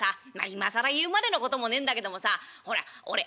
今更言うまでのこともねえんだけどもさほら俺頭悪いでしょ？